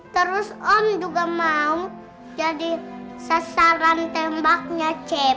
terus om juga mau jadi sasaran tembaknya cepi